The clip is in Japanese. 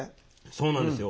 そうなんですよ。